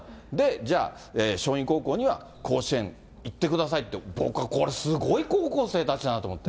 じゃあ、松蔭高校には甲子園行ってくださいと、僕はこれ、すごい高校生たちだなと思って。